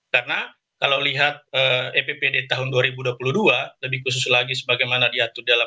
karena kalau lihat eppd tahun dua ribu dua puluh dua lebih khusus lagi sebagaimana diatur dalam